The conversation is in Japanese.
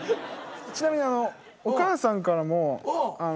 ちなみにあのお母さんからもあの。